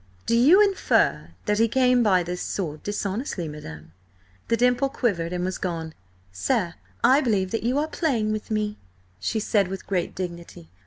"Do you infer that he came by this sword dishonestly, madam?" The dimple quivered and was gone. "Sir, I believe that you are playing with me," she said with great dignity.